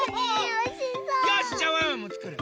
よしっじゃあワンワンもつくる！